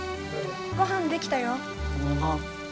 ごはん出来たよ。